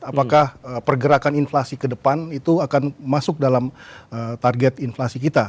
apakah pergerakan inflasi ke depan itu akan masuk dalam target inflasi kita